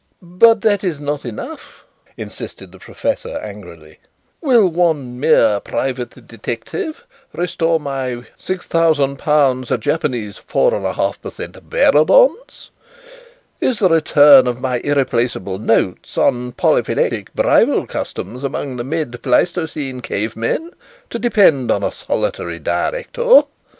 "But that is not enough," insisted the professor angrily. "Will one mere private detective restore my £6000 Japanese 4 1/2 per cent. bearer bonds? Is the return of my irreplaceable notes on 'Polyphyletic Bridal Customs among the mid Pleistocene Cave Men' to depend on a solitary director?